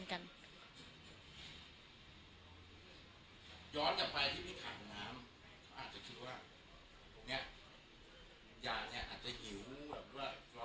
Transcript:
ย้อนกับไปที่มีขัดน้ำน้ำเขาอาจจะคิดว่าตรงเนี้ยยาเนี้ยอาจจะหิวแบบว่ากลอสมบุญส่วนส่วนส่วนเราคิดว่าเราเป็นคนมีเรียกเขามาแล้วเขาเลยแบบ